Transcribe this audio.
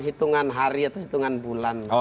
hitungan hari atau hitungan bulan